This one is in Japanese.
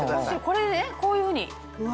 これねこういうふうに。